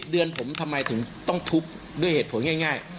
เดือนผมทำไมถึงต้องทุบด้วยเหตุผลง่าย